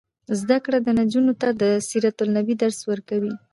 زده کړه نجونو ته د سیرت النبي درس ورکوي.